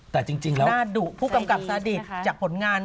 แต่จริงแล้วไซดีนะคะน่าดุผู้กำกับซาดิจจากผลงาน